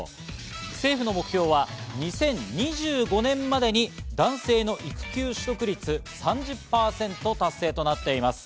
政府の目標は２０２５年までに男性の育休取得率３０％達成となっています。